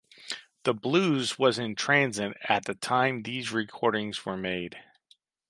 The blues was in transit at the time these recordings were made.